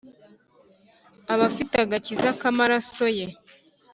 Abafite agakiza k'amaraso ye